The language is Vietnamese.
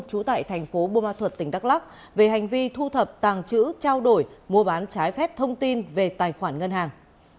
trú tại thành phố bô ma thuật tỉnh đắk lắc về hành vi thu thập tàng chữ trao đổi mua bán trái phép thông tin về tài khoản ngân hàng